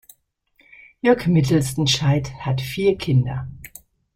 Jörg Mittelsten Scheid hat vier Kinder.